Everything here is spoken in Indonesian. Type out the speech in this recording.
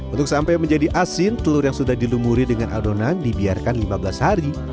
untuk sampai menjadi asin telur yang sudah dilumuri dengan adonan dibiarkan lima belas hari